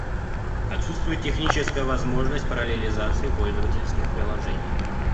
Отсутствует техническая возможность параллелизации пользовательских приложений